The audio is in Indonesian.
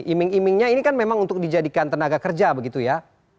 iming imingnya ini kan memang untuk dijadikan tenaga kerja begitu ya